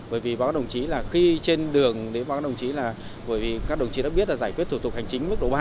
bởi vì các đồng chí đã biết là giải quyết thổ tục hành chính mức độ ba